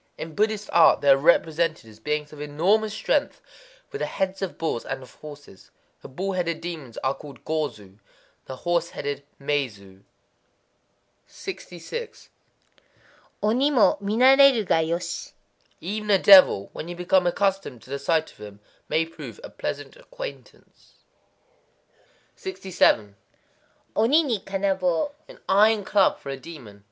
In Buddhist art they are represented as beings of enormous strength, with the heads of bulls and of horses. The bull headed demons are called Go zu; the horse headed Mé zu. 66.—Oni mo mi, narétaru ga yoshi. Even a devil, when you become accustomed to the sight of him, may prove a pleasant acquaintance. 67.—Oni ni kanabō. An iron club for a demon.